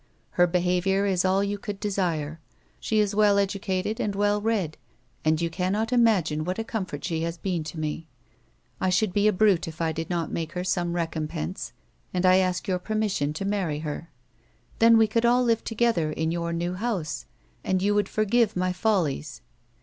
Her behaviour is all you could desire ; she is well educated and well read and vou cannot imaeine what a comfort she has been to me. I should be a brute if I did not make her some recompense, and 1 ask your permission to uiarrj' her. Then we could all li\ e together iu your new A WOMAN'S LIFE. 231 house, and you would forgive my follies.